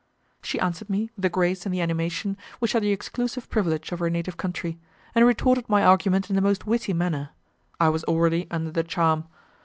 She answered me with the grace and the animation which are the exclusive privilege of her native country, and retorted my argument in the most witty manner; I was already under the charm.